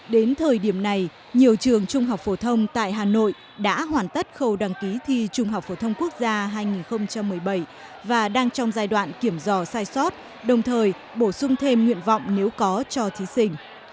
đến thời điểm này nhiều trường trung học phổ thông tại hà nội đã hoàn tất khâu đăng ký thi trung học phổ thông quốc gia hai nghìn một mươi bảy và đang trong giai đoạn kiểm dò sai sót đồng thời bổ sung thêm nguyện vọng nếu có cho thí sinh